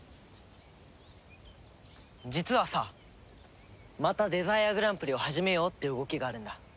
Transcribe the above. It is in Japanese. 実はさまたデザイアグランプリを始めようって動きがあるんだ。